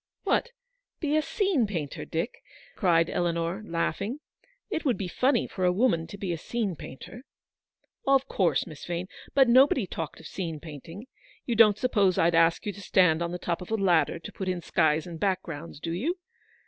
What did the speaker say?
"What, be a scene painter, Dick?" cried Eleanor, laughing. "It would be funny for a woman to be a scene painter." " Of course, Miss Vane. But nobody talked of scene painting. You don't suppose I'd ask you to stand on the top of a ladder to put in skies and backgrounds, do you